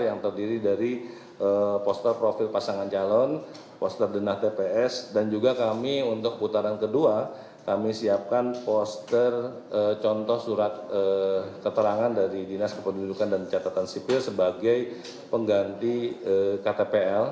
yang terdiri dari poster profil pasangan calon poster denah tps dan juga kami untuk putaran kedua kami siapkan poster contoh surat keterangan dari dinas kependudukan dan catatan sipil sebagai pengganti ktpl